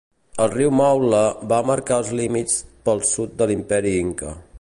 El riu Maule va marcar els límits pel sud de l'Imperi Inca.